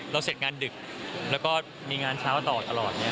เสร็จงานดึกแล้วก็มีงานเช้าตลอด